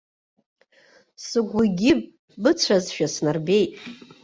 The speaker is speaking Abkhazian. Сыгәгьы быцәазшәа снарбеит.